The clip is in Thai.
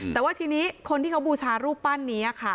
แต่ว่าทีนี้คนที่เขาบูชารูปปั้นนี้ค่ะ